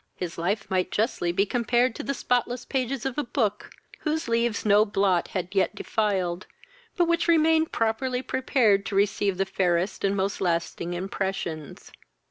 His life might justly be compared to the spotless pages of a book, whose leaves no blot had yet defiled, but which remained properly prepared to receive the fairest and most lasting impressions.